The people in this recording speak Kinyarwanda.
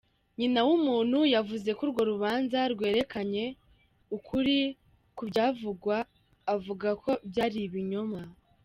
Nyinawumuntu yavuze ko urwo rubanza rwerekanye ukuri kuvyavugwa, avuga ko vyari ibinyoma.